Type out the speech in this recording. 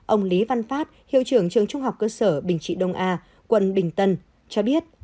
ông lý văn phát hiệu trưởng trường trung học cơ sở bình trị đông a quận bình tân cho biết